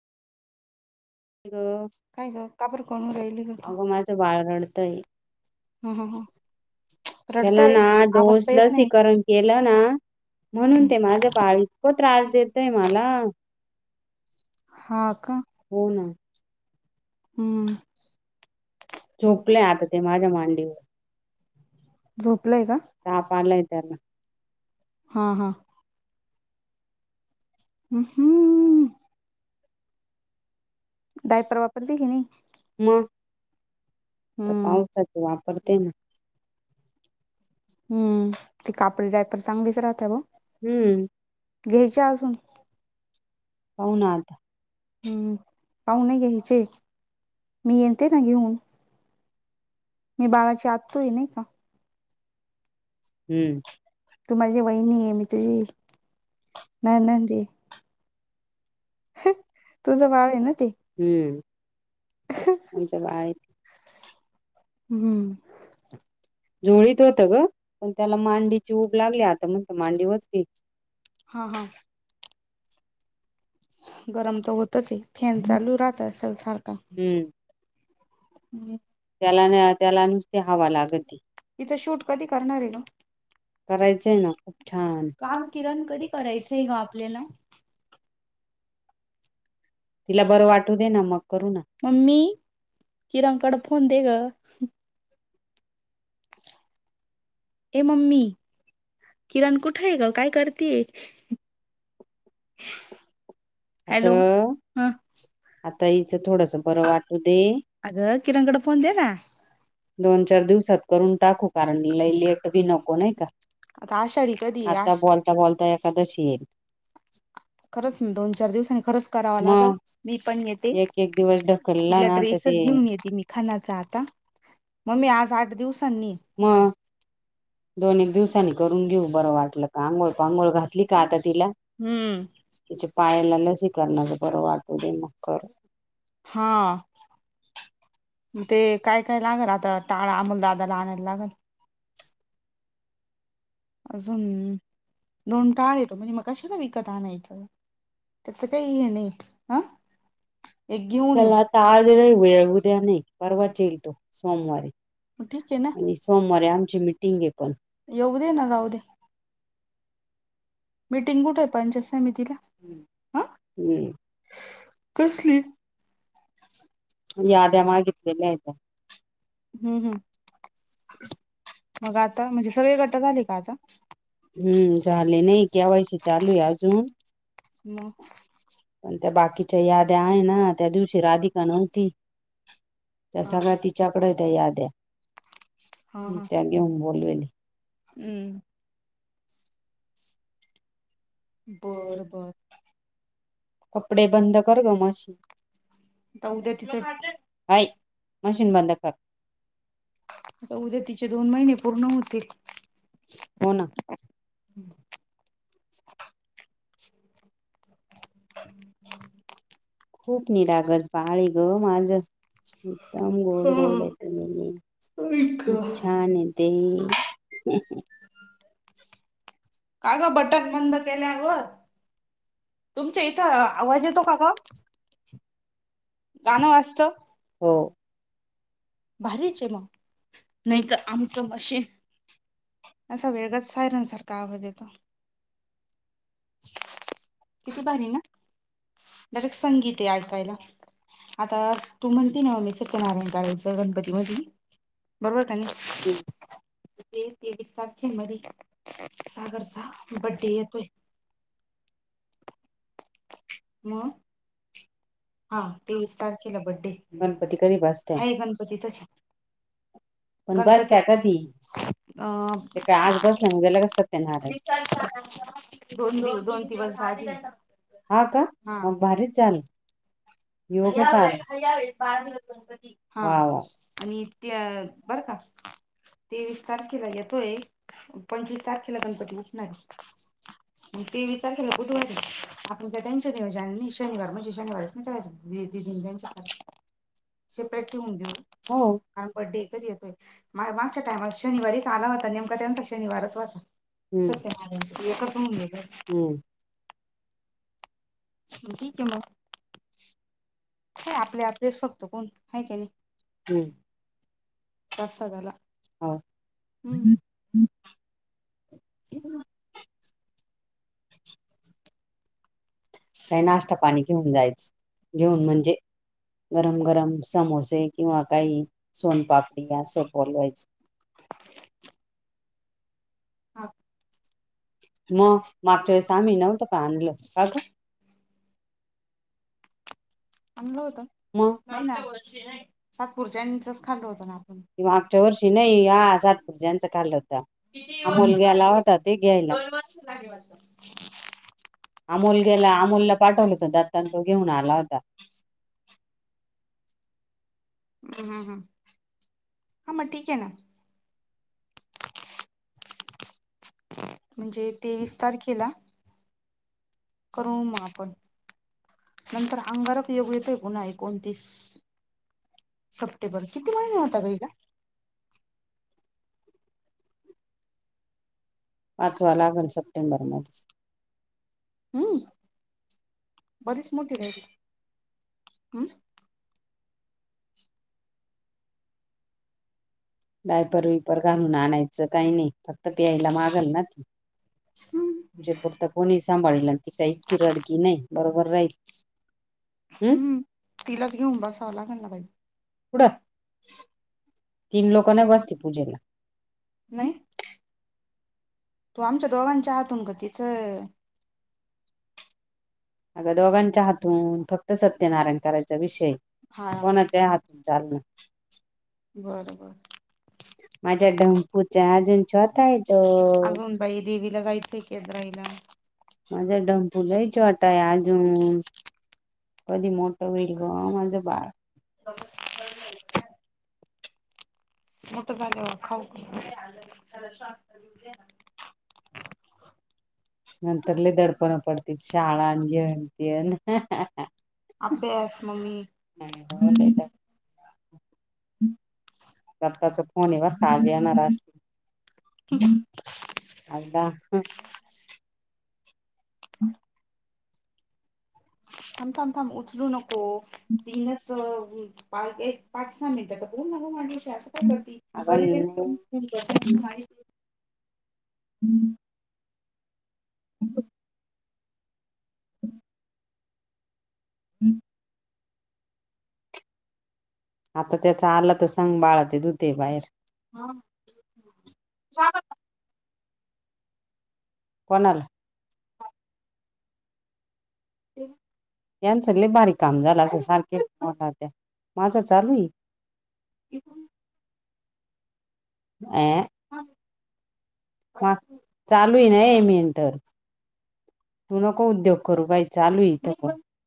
काय ग का बर कोण राहिली ग अगं, माझं बाळ रडतंय. ह. ह. ह. त्याला रडतय ना आवाज डोस तर येत नाही लसीकरण केलं ना, म्हणून ते माझं बाळ इतक त्रास देतय मला. हा अ का हो ना हम्म झोपले आता ते माझ्या मांडीवर झोपलंय का त्याना हां हां हम् हम्म डायपर वापरतिय की नि मग तर हम्म पावसाचे वापरते ना हम्म ती कापडी डायपर चांगलीच राहतय भा हम्म घ्यायच्या अजून पाहू ना आता हम्म पाहु नाय घ्या्याचे मी यते ना घेऊन मी बाळाची आत्तुय नाही का हम्म तू माझी वहिणी आहे मी तुझी ननंदय तूझ बाळय ना ते हम्म आमच्या बाहेर हम्म झोळीत होत ग पण त्याला मांडीची उऊब लागली आता म्हस्त मांडी वचली हा हा गरम तर होतच आहे फॅन चालू राहत असल सारखा हम्म हम् त्याला न त्याला नुसती हवं लागत तिचा शूट कधी करणार आहे ग करायचंय ना खूप छान का किरण कधी करायचंय ग आपल्याला तिला बरं वाटू दे ना मग करू ना ममी किराणकड फोन दे ग ए मम्मी किरण कुठे आहे ग काय करते हम हॅलो अगं ह आता हिचं थोडस बरं वाटू दे अग किरणकड फोन दे ना दोन चार दिवसात करून टाकू कारण लय लेट बी नको नाही का आता आषाढी कधी आहे आता आष बोलता बोलता एकदशी येईल खरंच दोन चार दिवसांनी खरंच करावं लागल मग मी पण येते एक एक दिवस ढकलला तिला ना तर ते ड्रेसच घेऊन येते मी खानाचा आता मग ममी आज आठ दिवसांनी मग दोन एक दिवसांनी करून घेऊ बरं वाटलं का आंघोळ पांघोळ हम्म. त्याच्या पायाला ल स्वी करणार बरं वाटू दे मकर मग ते काय काय लागेल आता टाळा अमोलदाादाला आणायला लागेल अजून दोन टाळ येतो म्हणजे मग कशाला विकत आणायचं त्याचं काही हे नाही हं मला आता आज र उद्या नाहीय परवाचेलतो सोमवारी मग ठीक आहे ना आणि सोमवारी आमची मिीटिंग आहे पण कोे्या ना गाऊ ते मिटिंग कुठेय पण समितीला हा हम्म कसली हम्म याद्या मागितलेल्या आहेत हम्म मग आता म्हणजे सगळे गट्ट झाले का आता हम्म झाले नाहीय कवायसी चालूय आजून मम् पण त्या बाकीच्या याद्या आहे ना त्या दिवशी राधिका नव्हती त्या हा सगळ्या तिच्याकडे त्या याद आहे हा हा त्या अगेन बोलवेल हम्म बर बर कपडे बंद कर गमशी उद्या तिथ आई मशीन बंद कर आता उद्या तिचे दोन महिने पूर्ण होतील हो ना खूप निरागज बाळी ग माझ एकदम गोड गोड आहे तुम का खूप छान आहे ते काय ग बटन बंद केल्यावर तुमच्या इथं आवाज येतो का ग गाणं वाजतो हो भारीचे म नाहीत आमचं मशी असं वेगच सायरनसारखा आव द येतो किती बारी ना डयरेक्ट संगीत आहे ऐकायला आता तू म्हणती नाव मी सत्यनारायण काळेज गणपती मधी बरोबर का नाही ह ते ते साखे मरी सागर सा बडे तोय मग हा तेवीस तारखेला गणपती बड्डेणपती कधी बसत्या आहे गणपती तच पण गंगड बसत्या अ कधी ते काय आज बसल्या ना त्याला कस सत्यनारायण दोन दि दोन दिवस हा का म भारीच चाल या यावेळेस बाजणप हा वा वा आणि ते बर का तेवीस तारखेला येतोय पंचवीस तारखेला गणपती नाही ते विचार केलं कुटुवा आपण का त्यांच्या निज शनिवार म्हणजे शनिवार त्यांच्या सेपरेट ठेवून हो देऊ कारण पड्डे एकच येतोयग मागच्या टाम शनिवारी आला होता नेमका त्यांचा शनिवारच वाचा हम्म सत्य माराच कसं म्हणलं हम्म ठीक म हो आपले आपलेच फक्त कोण आहे का हम्म नाही कसगला हा काही नाश्ता पाणी घेऊन जायच घेऊन म्हणजे गरम गरम समोसे किंवा काही सोनपापडी असं बोलवायच. हा. मग मागच्या वेळेस आम्ही नव्हतं का आणलं का ग आणलं होत. मग नागपूरच्यांच खाल्लं होतं ना. मागच्या आमच्या वर्षी नाही का हा असा जच सातपुरच्यांचं का खाल्लं करत होत किती अमोल वर्ष गेला का होता ते घ्यायला दष चवत अमोल गेला आमोलला पाठवलं होत दत्तान घेऊन आला होता हम्म हम् हम् हा मग ठीक आहे ना म्हणजे तेवीस तारखेला करून मग आपण नंतर अंगार योग्येत आहे पुन्हा एकोणतीस सप्टेंबर किती महिना होता काई का वाचवा लागेल सप्टेंबर मध्ये हम् बरीच मोठी राहिची हम्म डायपर विपर घालून आणायचं काही नाही फक्त प्यायला मागल ना त पुरत कोणी सांभाळल आणि ती का इतकी रडगी नाही बरोबर राहील हम् हम्म तिलाच घेऊन बसावं लागे ना बाईज कुठं? तीन लोकांनाच बसवतात पूजेला नाही. तू आमच्या दोघांच्या हातून ग तिचं अगं दोघांच्या हातून फक्त दोघांाय सत्यनारायण करायचा विषय विषया कोणाच्या हातून चा चालणार बर बरं. माझ्या ढंम्पूच्या अजून छोटा आहे तो अजून बाई देवीला जायचं की यात्रा येईला माझा ढंपू लय छोटा काय अजून कधी मोठं होईल ग माझं बाळ मोठ झाल्यावर खाऊ [unintelligible] नंतर लय दडपण पडते शाळा अभ्यास मम्मी [unintelligible] पप्पाचा फोन आहे. बर का आज येणार असतील एका हम थांब थांब थांब उचलू नको तीनच आपण [inaudible] [unintelligible] [unintelligible] [unintelligible] [unintelligible] आता त्याचा आला तर सांग बाळाते धुते बाहेर कोणाला? यांचं लई बारीक काम झालं अस सारखे मोठ त्या माझा चालू आहे. [unintelligible] आ चालूय ना ए मेंटल तू नको उद्योग करू बाई चालू इथं पण